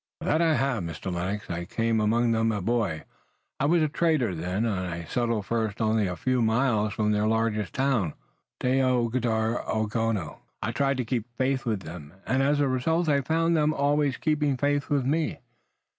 "That I have, Mr. Lennox. I came among them a boy. I was a trader then, and I settled first only a few miles from their largest town, Dyiondarogon. I tried to keep faith with them and as a result I found them always keeping faith with me.